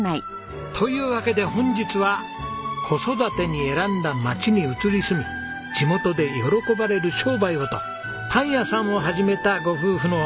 というわけで本日は子育てに選んだ町に移り住み「地元で喜ばれる商売を」とパン屋さんを始めたご夫婦のお話です。